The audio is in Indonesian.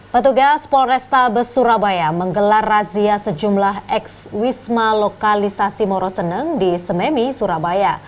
petugas polrestabes surabaya menggelar razia sejumlah ex wisma lokalisasi moroseneng di sememi surabaya